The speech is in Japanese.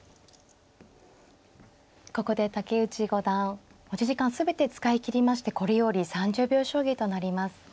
ここで竹内五段持ち時間全て使いきりましてこれより３０秒将棋となります。